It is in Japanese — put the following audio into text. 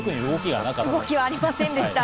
動きはありませんでした。